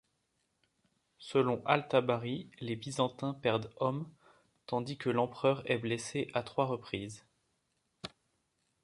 Selon al-Tabari, les Byzantins perdent hommes tandis que l'empereur est blessé à trois reprises.